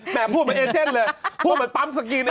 พูดเหมือนเอเจนเลยพูดเหมือนปั๊มสกิน